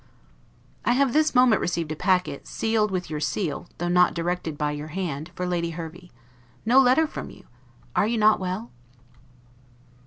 I have this moment received a packet, sealed with your seal, though not directed by your hand, for Lady Hervey. No letter from you! Are you not well?